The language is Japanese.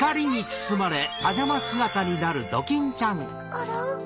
あら？